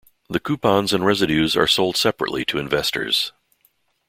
The coupons and residue are sold separately to investors.